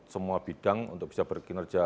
semua bidang untuk bisa berkinerja